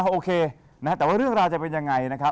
โอเคแต่ว่าเรื่องราวจะเป็นอย่างไรนะครับ